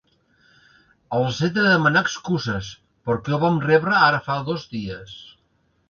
Els he de demanar excuses, perquè ho vam rebre ara fa dos dies.